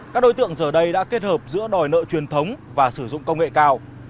các đối tượng giờ đây đã kết hợp giữa đòi nợ truyền thống và sử dụng công nghệ cao